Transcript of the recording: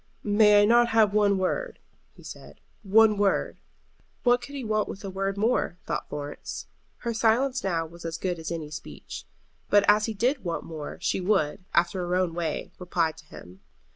"May I not have one word," he said, "one word?" What could he want with a word more? thought Florence. Her silence now was as good as any speech. But as he did want more she would, after her own way, reply to him.